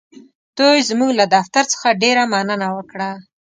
دوی زموږ له دفتر څخه ډېره مننه وکړه.